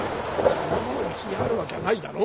「そんなものうちにあるわきゃないだろう」。